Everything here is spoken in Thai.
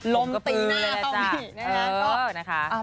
ลมตีหน้าตรงนี้